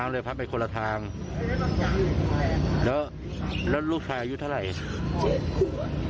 แล้วแล้วลูกชายอายุเท่าไหร่๗ขวบ